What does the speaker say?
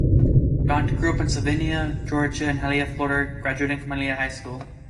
Dent grew up in Sylvania, Georgia, and Hialeah, Florida, graduating from Hialeah High School.